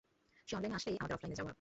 সে অনলাইনে আসলেই আমাদের অফলাইনে যাওয়া।